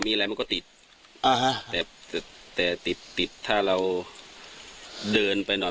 มีอะไรมันก็ติดอ่าฮะแต่แต่ติดติดถ้าเราเดินไปหน่อย